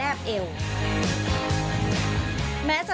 ไม่สะทันก็สาธารณ์เยอะ